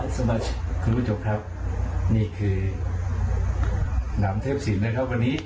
สมาชิกคุณผู้ชมครับนี่คือหนามเทพศิลป์นะครับวันนี้